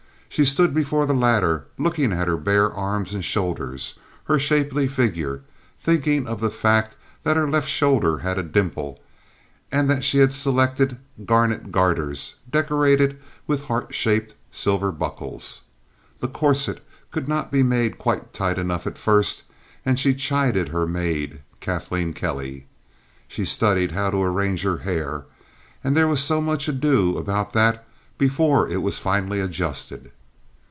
She stood before the latter, looking at her bare arms and shoulders, her shapely figure, thinking of the fact that her left shoulder had a dimple, and that she had selected garnet garters decorated with heart shaped silver buckles. The corset could not be made quite tight enough at first, and she chided her maid, Kathleen Kelly. She studied how to arrange her hair, and there was much ado about that before it was finally adjusted.